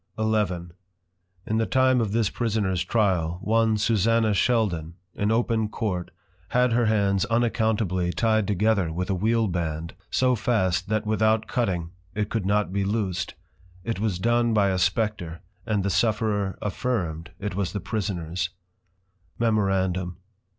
XI. In the time of this prisoners Trial, one Susanna Sheldon, in open Court had her hands Unaccountably ty'd together with a Wheel band, so fast that without cutting, it could not be loosed: It was done by a Spectre; and the Sufferer affirm'd, it was the Prisoners. _Memorandum.